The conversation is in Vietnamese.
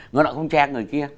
người lại không che người kia